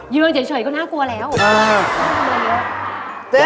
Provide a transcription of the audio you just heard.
ยืนเฉยก็น่ากลัวแล้ว